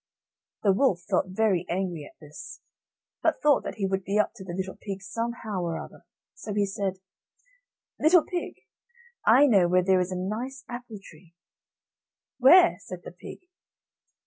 The wolf felt very angry at this, but thought that he would be up to the little pig somehow or other, so he said: "Little pig, I know where there is a nice apple tree." "Where?" said the pig.